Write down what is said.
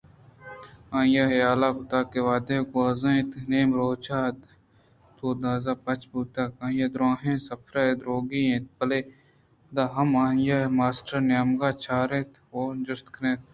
آئی ءَحیال کُت کہ وہد گوٛزان اِنت ءُنیم روچ ءِ دوازدہ بج بوتگ ءُآئی ءَ دوریں سفرے ءَ روگی اِنت بلئے پدا ہم آئیءَ ماسٹر ءِ نیمگ ءَ چارات ءُ جست کُت